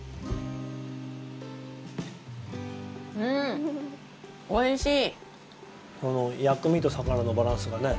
うん、おいしい！